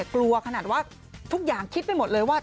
กลัวขนาดว่าทุกอย่างคิดไปหมดเลยว่า